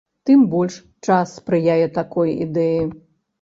Тым больш, час спрыяе такой ідэі.